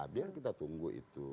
biar kita tunggu itu